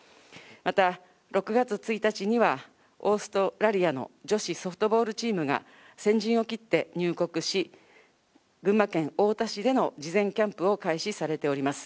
また、６月１日には、オーストラリアの女子ソフトボールチームが、先陣を切って入国し、群馬県太田市での事前キャンプを開始されております。